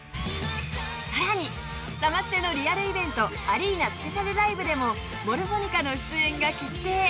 さらにサマステのリアルイベントアリーナスペシャルライブでもＭｏｒｆｏｎｉｃａの出演が決定。